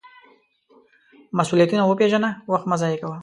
مسؤلیتونه وپیژنه، وخت مه ضایغه کوه.